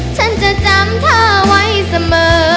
ฉันจะจำเธอไว้เสมอ